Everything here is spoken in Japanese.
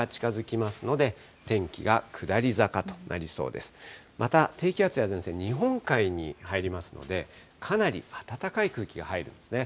また、低気圧や前線、日本海に入りますので、かなり暖かい空気が入るんですね。